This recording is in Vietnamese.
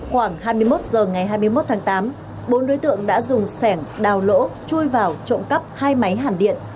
khoảng hai mươi một h ngày hai mươi một tháng tám bốn đối tượng đã dùng sẻng đào lỗ chui vào trộm cắp hai máy hàn điện